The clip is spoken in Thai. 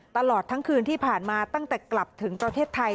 ตลอดทั้งคืนที่ผ่านมาตั้งแต่กลับถึงประเทศไทย